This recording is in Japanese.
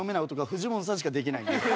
フジモンさんしかできないんで。